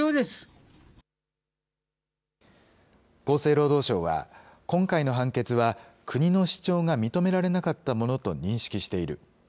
厚生労働省は、今回の判決は、国の主張が認められなかったものと認識している。